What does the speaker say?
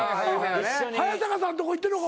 早坂さんのとこ行ってんのか？